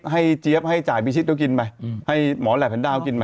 เจี๊ยบให้จ่ายพิชิตก็กินไปให้หมอแหลบแผนดาวกินมา